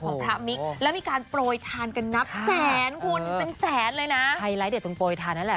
ของพระมิกและมีการโพยทานกันนับแสนบุลเป็นแสนเลยนะ